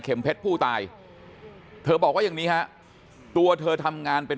เพชรผู้ตายเธอบอกว่าอย่างนี้ฮะตัวเธอทำงานเป็น